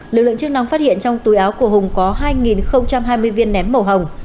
lực lượng chức năng phát hiện trong túi áo của hùng có hai hai mươi viên nén màu hồng